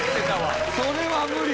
それは無理！